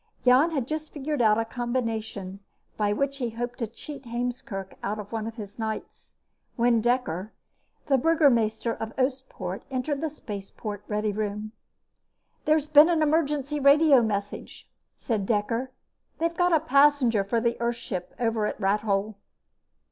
Jan had just figured out a combination by which he hoped to cheat Heemskerk out of one of his knights, when Dekker, the burgemeester of Oostpoort, entered the spaceport ready room. "There's been an emergency radio message," said Dekker. "They've got a passenger for the Earthship over at Rathole."